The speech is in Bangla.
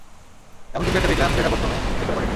এমন কিছু একটা দেখলাম যেটা প্রথমে চিনতে পারিনি!